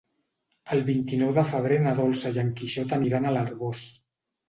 El vint-i-nou de febrer na Dolça i en Quixot aniran a l'Arboç.